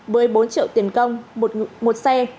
với bốn triệu tiền công một xe